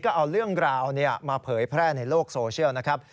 ก็เอาเรื่องราวมาเผยแพร่ในโลกโซเชียลนะครับ